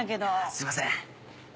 すいません。